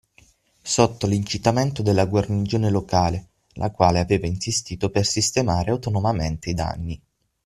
Sotto l’incitamento della guarnigione locale, la quale aveva insistito per sistemare autonomamente i danni.